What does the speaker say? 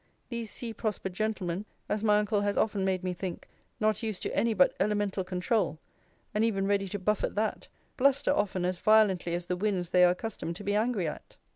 These sea prospered gentlemen, as my uncle has often made me think, not used to any but elemental controul, and even ready to buffet that, bluster often as violently as the winds they are accustomed to be angry at.